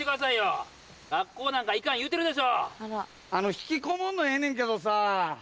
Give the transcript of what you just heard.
引きこもんのええねんけどさ。